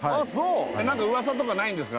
何か噂とかないんですか？